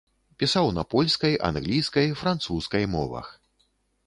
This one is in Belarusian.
Пісаў на польскай, англійскай, французскай мовах.